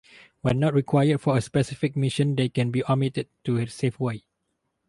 When not required for a specific mission they can be omitted to save weight.